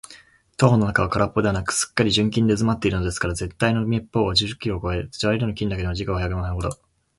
塔の中はからっぽではなく、すっかり純金でうずまっているのですから、ぜんたいの目方は八十キロをこえ、材料の金だけでも時価五百万円ほど